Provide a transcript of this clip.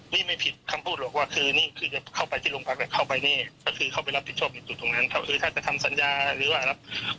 เดี๋ยวก็รอดูถ้าไปทันก็จะไปคืนนี้แหละ